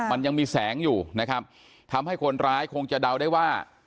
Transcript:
มันยังมีแสงอยู่นะครับทำให้คนร้ายคงจะเดาได้ว่า